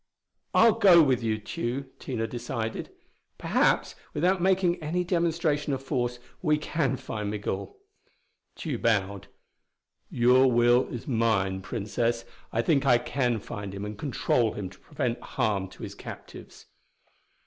"I'll go with you, Tugh." Tina decided. "Perhaps, without making any demonstration of force, we can find Migul." Tugh bowed. "Your will is mine, Princess. I think I can find him and control him to prevent harm to his captives."